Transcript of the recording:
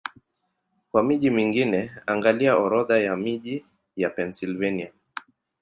Kwa miji mingine, angalia Orodha ya miji ya Pennsylvania.